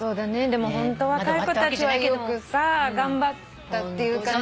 でもホント若い子たちはよくさ頑張ったっていうかね。